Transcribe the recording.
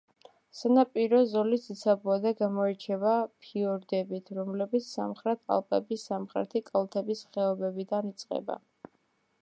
სანაპირო ზოლი ციცაბოა და გამოირჩევა ფიორდებით, რომლებიც სამხრეთ ალპების სამხრეთი კალთების ხეობებიდან იწყება.